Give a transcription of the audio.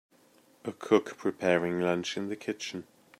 A cook preparing lunch in the kitchen.